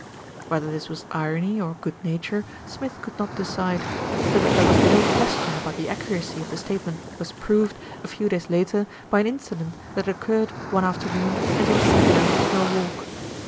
Whether this was irony or good nature, Smith could not decide; but that there was no question about the accuracy of the statement was proved, a few days later, by an incident that occurred one afternoon as he was setting out for a walk.